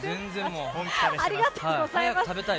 ありがとうございます。